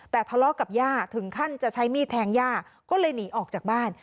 แต่ทะเลาะกับย่าถึงขั้นจะใช้มีดแทงย่าก็เลยหนีออกจากบ้าน